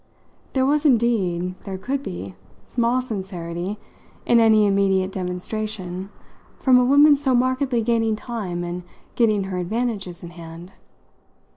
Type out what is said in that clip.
There was indeed there could be small sincerity in any immediate demonstration from a woman so markedly gaining time and getting her advantages in hand.